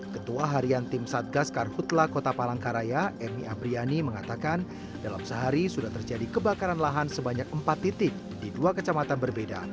ketua harian tim satgas karhutla kota palangkaraya emi apriyani mengatakan dalam sehari sudah terjadi kebakaran lahan sebanyak empat titik di dua kecamatan berbeda